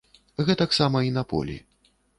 Гэтаксама і на полі.